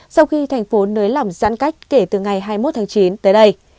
sau khi thành phố nới lỏng giãn cách kể từ ngày hai mươi một tháng chín tới đây